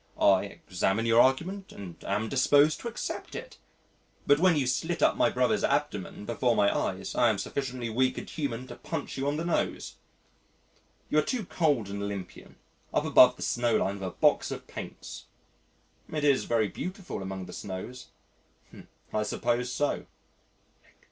I examine your argument and am disposed to accept it. But when you slit up my brother's abdomen before my eyes, I am sufficiently weak and human to punch you on the nose.... You are too cold and Olympian, up above the snowline with a box of paints." "It is very beautiful among the snows." "I suppose so."